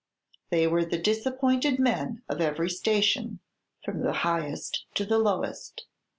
They were the disappointed men of every station, from the highest to the lowest.